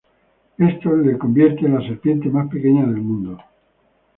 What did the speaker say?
Esto la convierte en la serpiente más pequeña del mundo.